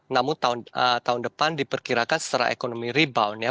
namun tahun depan diperkirakan secara ekonomi rebound ya